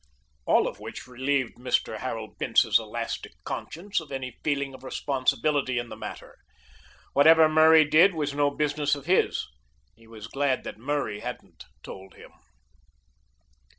All of which relieved Mr. Harold Bince's elastic conscience of any feeling of responsibility in the matter. Whatever Murray did was no business of his. He was glad that Murray hadn't told him.